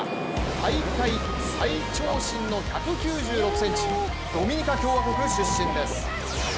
大会最長身の１９６ｃｍ、ドミニカ共和国出身です。